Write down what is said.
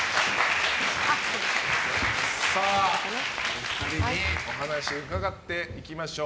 お二人にお話伺っていきましょう。